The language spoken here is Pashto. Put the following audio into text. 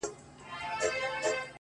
د جهنم منځ کي د اوسپني زنځیر ویده دی-